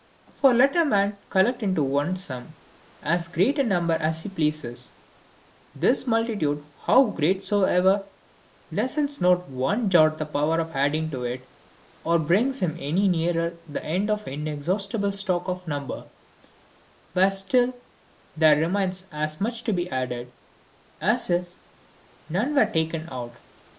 For let a man collect into one sum as great a number as he pleases, this multitude how great soever, lessens not one jot the power of adding to it, or brings him any nearer the end of the inexhaustible stock of number; where still there remains as much to be added, as if none were taken out.